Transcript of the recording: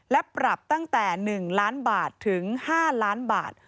และปรับตั้งแต่๑ล้านบาทถึง๕ล้านบาท